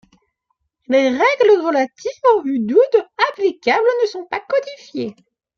Les règles relatives aux hududs, applicables, ne sont pas codifiées..